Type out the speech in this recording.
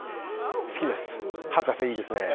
好きです、博士、いいですね。